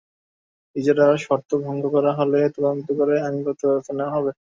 ইজারার শর্ত ভঙ্গ করা হলে তদন্ত করে আইনগত ব্যবস্থা নেওয়া হবে।